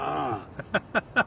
ハハハハ。